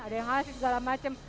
ada yang ngasih segala macem